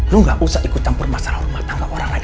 lu gak usah ikut campur masalah rumah tangga orang lain